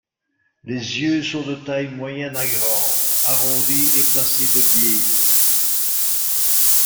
Les yeux sont de taille moyenne à grande, arrondis et placés de biais.